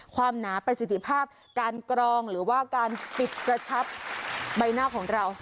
หนาประสิทธิภาพการกรองหรือว่าการปิดกระชับใบหน้าของเรา